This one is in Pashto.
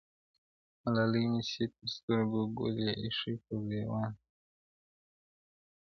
• ملالۍ مي سي ترسترګو ګل یې ایښی پر ګرېوان دی -